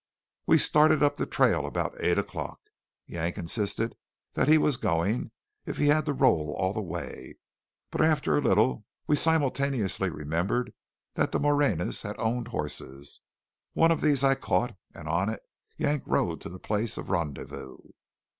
We started up the trail about eight o'clock. Yank insisted that he was going, if he had to roll all the way; but after a little we simultaneously remembered that the Moreñas had owned horses. One of these I caught, and on it Yank rode to the place of rendezvous.